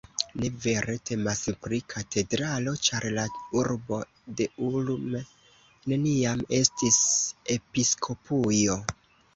Ne vere temas pri katedralo, ĉar la urbo de Ulm, neniam estis episkopujo.